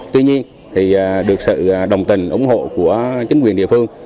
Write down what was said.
tuy nhiên được sự đồng tình ủng hộ của chính quyền địa phương